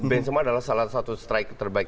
benzema adalah salah satu striker terbaik